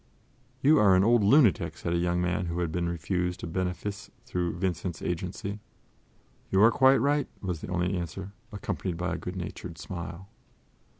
"You are an old lunatic," said a young man who had been refused a benefice through Vincent's agency. "You are quite right," was the only answer, accompanied by a good natured smile.